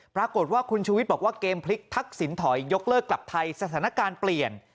ปรากฏว่าคุณชูวิทย์บอกว่าเกมพลิกทักษิณถอยยกเลิกกลับไทยสถานการณ์เปลี่ยน